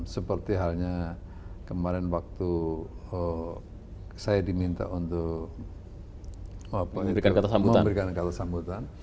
seperti halnya kemarin waktu saya diminta untuk memberikan kata sambutan